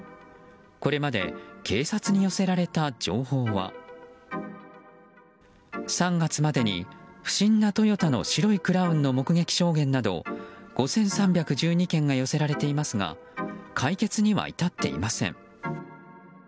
これまで警察に寄せられた情報は３月までに不審なトヨタの白いクラウンの目撃証言など５３１２件が寄せられていますが解決には至っていません。